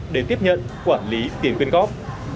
để tiếp nhận quản lý tiền quyên góp